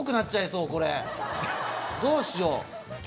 これどうしよう。